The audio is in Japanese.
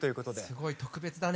すごい特別だね。